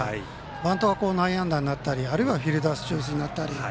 バントが内野安打になったりあるいはフィルダースチョイスになったり。